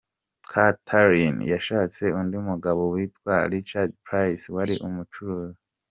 Kathryn yashatse undi mugabo witwa Richard Price wari umucuruzi.